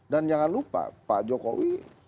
dan jangan lupa pak jokowi